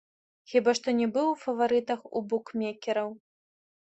Хіба што не быў у фаварытах у букмекераў.